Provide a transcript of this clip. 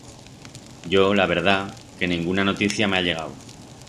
Yo, la verdat, que nenguna noticia m'ha llegau.